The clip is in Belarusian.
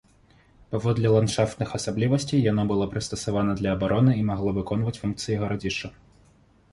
Паводле ландшафтных асаблівасцей яно было прыстасавана для абароны і магло выконваць функцыі гарадзішча.